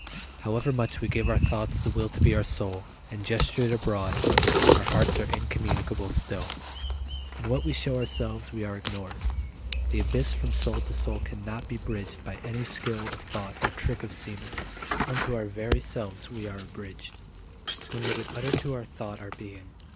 However much we give our thoughts the will To be our soul and gesture it abroad, Our hearts are incommunicable still. In what we show ourselves we are ignored. The abyss from soul to soul cannot be bridged By any skill of thought or trick of seeming. Unto our very selves we are abridged When we would utter to our thought our being.